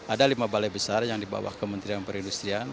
ada lima balai besar yang di bawah kementerian perindustrian